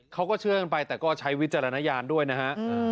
เขาก็เชื่อกันไปแต่ก็ใช้วิจารณญาณด้วยนะฮะ